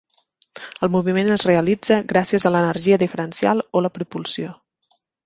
El moviment es realitza gràcies a l'energia diferencial o la propulsió.